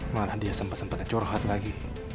malah dia sempet sempetnya corhat lagi